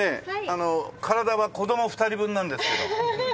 体は子供２人分なんですけど。